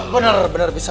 benar benar bisa